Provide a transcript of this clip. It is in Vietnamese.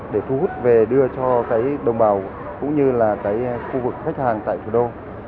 để thu hút về đưa cho đồng bào cũng như khu vực khách hàng tại thủ đô